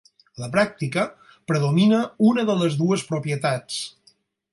A la pràctica, predomina una de les dues propietats.